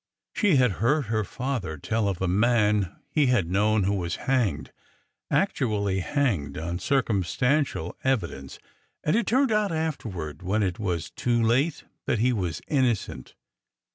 She had heard her father tell of a man he had known who was hanged— actually hanged! — on circumstantial evidence, and it had turned out after ward, when it was too late, that he was innocent.